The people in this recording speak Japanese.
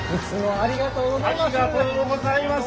ありがとうございます。